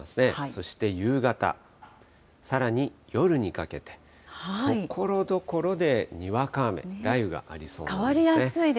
そして夕方、さらに夜にかけて、ところどころでにわか雨、雷雨がありそうなんですね。